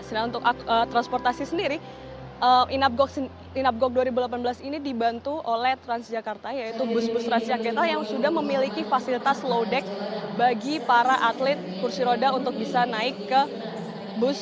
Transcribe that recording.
sedangkan untuk transportasi sendiri inapgok dua ribu delapan belas ini dibantu oleh transjakarta yaitu bus bus transjakarta yang sudah memiliki fasilitas low deck bagi para atlet kursi roda untuk bisa naik ke bus